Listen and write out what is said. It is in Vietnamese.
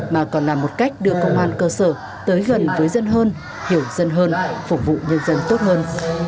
mà còn là một cách đưa công an cơ sở tới gần với dân hơn hiểu dân hơn phục vụ nhân dân tốt hơn